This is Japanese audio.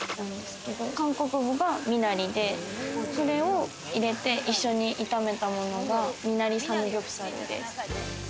韓国語がミナリで、それを入れて一緒に炒めたものがミナリサムギョプサルです。